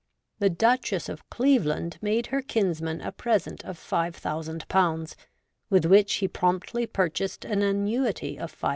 The Duchess of Cleveland made her kinsman a present of 5000/., with which he promptly purchased an annuity of 500